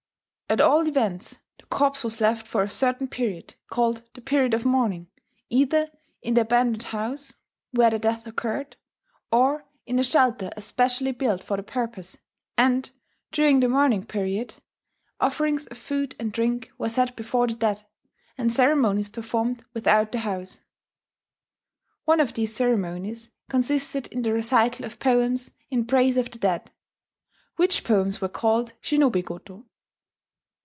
At all events the corpse was left for a certain period, called the period of mourning, either in the abandoned house where the death occurred, or in a shelter especially built for the purpose; and, during the mourning period, offerings of food and drink were set before the dead, and ceremonies performed without the house. One of these ceremonies consisted in the recital of poems in praise of the dead, which poems were called shinobigoto.